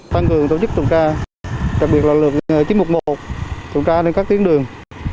tăng cường tổ chức tuần tra đặc biệt là lượt chín trăm một mươi một tuần tra trên các tuyến đường